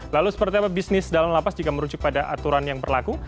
lalu seperti apa bisnis dalam lapas jika merujuk pada aturan yang berlaku